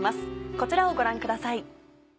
こちらをご覧ください。